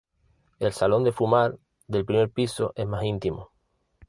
El salón de fumar del primer piso es más íntimo.